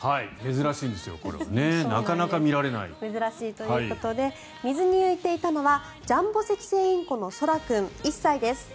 珍しいということで水に浮いていたのはジャンボセキセイインコのそら君、１歳です。